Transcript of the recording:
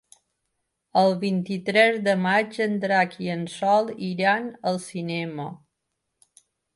El vint-i-tres de maig en Drac i en Sol iran al cinema.